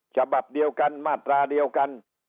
ฉบับเดียวกันมาตราเดียวกัน